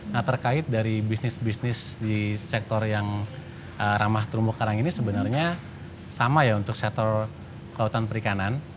nah terkait dari bisnis bisnis di sektor yang ramah terumbu karang ini sebenarnya sama ya untuk sektor kelautan perikanan